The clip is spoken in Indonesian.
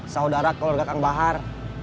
saudara keluarga kang bahar